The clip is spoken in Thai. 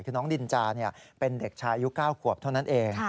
คือน้องดินจาเป็นเด็กชายอายุ๙ขวบเท่านั้นเอง